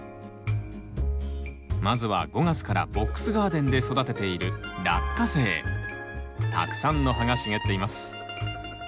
まずは５月からボックスガーデンで育てているたくさんの葉が茂っています。